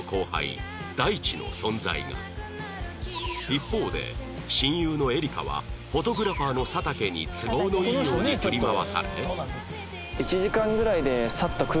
一方で親友のエリカはフォトグラファーの佐竹に都合のいいように振り回され